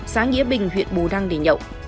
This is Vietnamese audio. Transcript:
xã nghĩa bình huyện bù đăng để nhậu